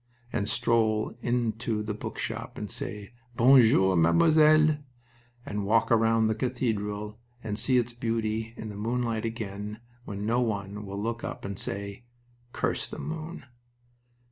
and stroll into the bookshop and say, "Bon jour, mademoiselle!" and walk round the cathedral and see its beauty in moonlight again when no one will look up and say, "Curse the moon!"